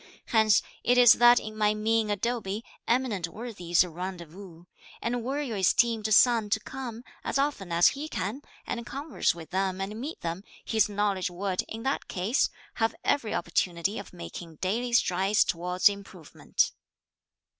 Hence it is that in my mean abode, eminent worthies rendezvous; and were your esteemed son to come, as often as he can, and converse with them and meet them, his knowledge would, in that case, have every opportunity of making daily strides towards improvement."